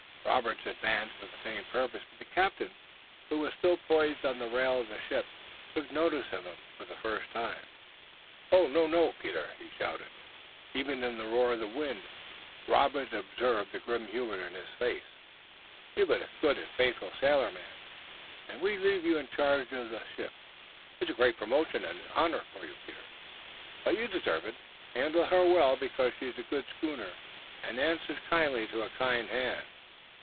Robert advanced for the same purpose, but the captain, who was still poised on the rail of the ship, took notice of him for the first time. "No! No, Peter!" he shouted, and even in the roar of the wind Robert observed the grim humor in his voice. "You've been a good and faithful sailorman, and we leave you in charge of the ship! It's a great promotion and honor for you, Peter, but you deserve it! Handle her well because she's a good schooner and answers kindly to a kind hand!